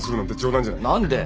何で。